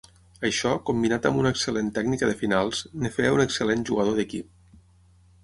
Això, combinat amb una excel·lent tècnica de finals, en feia un excel·lent jugador d'equip.